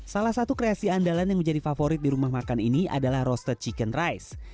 salah satu kreasi andalan yang menjadi favorit di rumah makan ini adalah roasted chicken rice